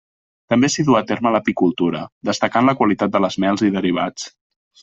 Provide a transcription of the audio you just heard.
També s'hi du a terme l'apicultura, destacant la qualitat de les mels i derivats.